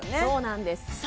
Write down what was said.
そうなんです